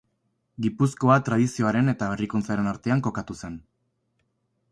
Gipuzkoa tradizioaren eta berrikuntzaren artean kokatu zen.